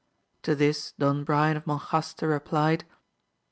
To this Don Brian of Monjaste replied.